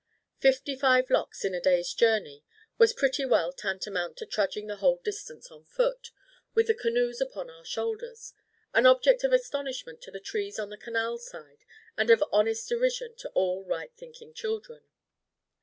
Fifty five locks in a day's journey was pretty well tantamount to trudging the whole distance on foot, with the canoes upon our shoulders, an object of astonishment to the trees on the canal side, and of honest derision to all right thinking children.